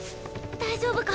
大丈夫か！？